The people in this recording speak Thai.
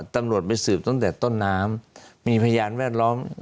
ตำรวจไปสืบตั้งแต่ต้นน้ำมีพยานแวดล้อม